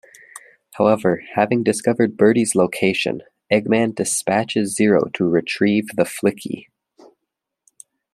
However, having discovered Birdie's location, Eggman dispatches Zero to retrieve the Flicky.